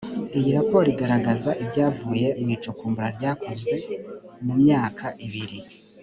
iyi raporo igaragaza ibyavuye mu icukumbura ryakozwe mu myaka ibiri